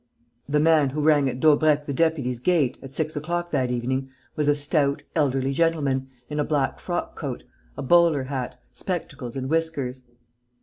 The man who rang at Daubrecq the deputy's gate, at six o clock that evening, was a stout, elderly gentleman, in a black frock coat, a bowler hat, spectacles and whiskers.